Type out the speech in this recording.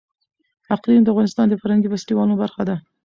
اقلیم د افغانستان د فرهنګي فستیوالونو برخه ده.